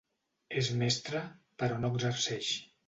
És mestre, però no exerceix.